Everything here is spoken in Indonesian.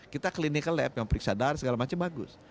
kita clinical lab yang periksa darah segala macam bagus